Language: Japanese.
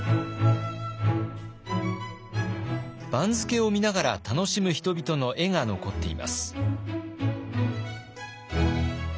番付を見ながら楽しむ人々の絵が残っています。